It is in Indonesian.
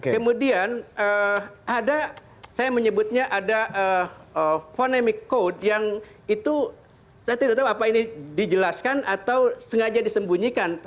kemudian ada saya menyebutnya ada phonemic code yang itu saya tidak tahu apa ini dijelaskan atau sengaja disembunyikan